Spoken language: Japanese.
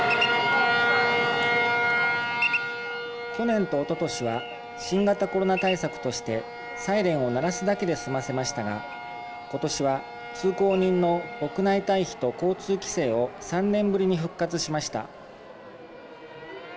去年と、おととしは新型コロナ対策としてサイレンを鳴らすだけで済ませましたがことしは通行人の屋内退避と交通規制を３年ぶりに復活しました。